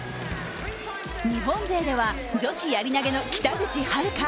日本勢では、女子やり投の北口榛花。